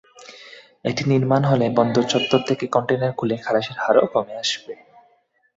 এটি নির্মাণ হলে বন্দর চত্বর থেকে কনটেইনার খুলে খালাসের হারও কমে আসবে।